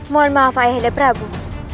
mohon maaf ayah anda prabu